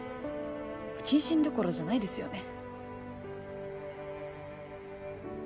不謹慎どころじゃないですよね